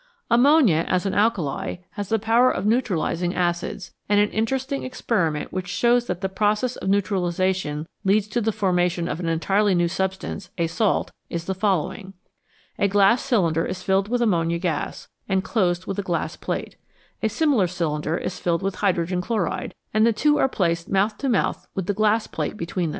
Ammonia, as an alkali, has the power of neutralising acids, and an interesting experiment which shows that the process of neutralisation leads to the formation of an entirely new substance, a salt, is the following : A glass cylinder is filled with ammonia gas, and closed with a glass plate ; a similar cylinder is filled with hydrogen chloride, and the two are placed mouth to mouth with the glass plate between.